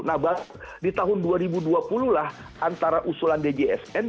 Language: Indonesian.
nah di tahun dua ribu dua puluh lah antara usulan djsn